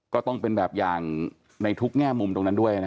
ก็ต้องเป็นแบบอย่างในทุกแง่มุมตรงนั้นด้วยนะ